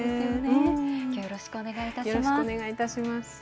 きょうはよろしくお願いいたします。